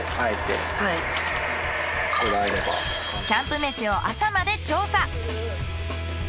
キャンプ飯を朝まで調査。